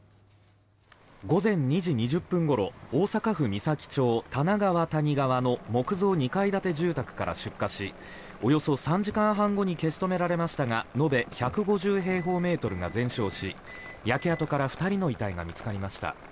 午前２時２０分ごろ大阪府岬町多奈川谷川の木造２階建て住宅から出火しおよそ３時間半後に消し止められましたがのべ１５０平方メートルが全焼し焼け跡から２人の遺体が見つかりました。